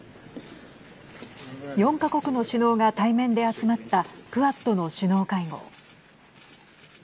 ４か国の首脳が対面で集まったクアッドの首脳会合。